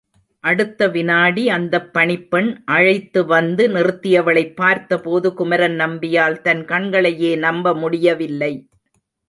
அடுத்த விநாடி அந்தப் பணிப்பெண் அழைத்துவந்து நிறுத்தியவளைப் பார்த்த போது குமரன்நம்பியால் தன் கண்களையே நம்ப முடியவில்லை.